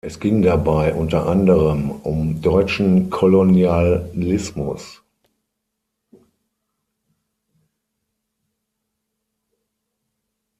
Es ging dabei unter anderem um deutschen Kolonialismus.